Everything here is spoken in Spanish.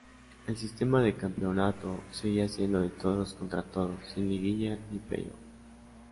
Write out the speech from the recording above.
El sistema de campeonato seguía siendo de todos contra todos, sin liguilla ni Playoff.